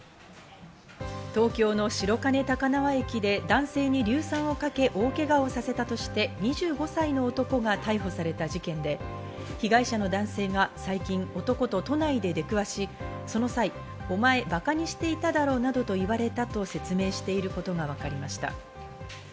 東京の白金高輪駅で男性に硫酸をかけ大けがをさせたとして２５歳の男が逮捕された事件で被害者の男性が最近男と都内で出くわしその際、お前、バカにしていただろなどと言われたと説明していることが分かりました。